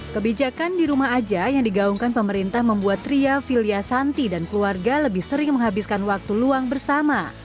kebijakan di rumah aja yang digaungkan pemerintah membuat ria filia santi dan keluarga lebih sering menghabiskan waktu luang bersama